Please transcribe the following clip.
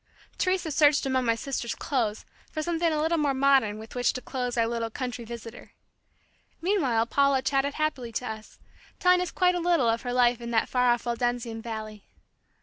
Teresa searched among my sister's clothes for something a little more modern with which to clothe our little country visitor. Meanwhile Paula chatted happily to us, telling us quite a little of her life in that far off Waldensian valley.